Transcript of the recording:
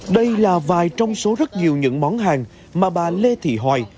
đây là vài trong số rất nhiều những món hàng mà bà lê thị hoài